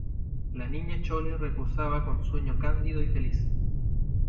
la niña Chole reposaba con sueño cándido y feliz: